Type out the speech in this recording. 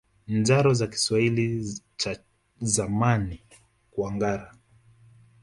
Njaro ni Kiswahili cha Zamani kwa ngara